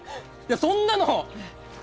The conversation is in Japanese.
そんなの！